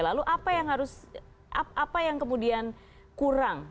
lalu apa yang harus apa yang kemudian kurang